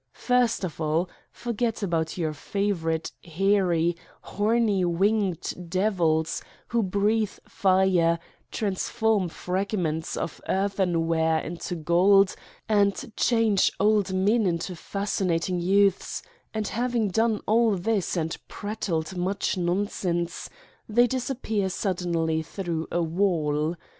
First of all, forget about your favorite, hairy, horny, winged devils, who breathe fire, transform frag ments of earthenware into gold and change old men into fascinating youths, and having done all this and prattled much nonsense, they disappear suddenly through a wall.